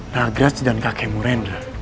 nagraj dan kakemu rendra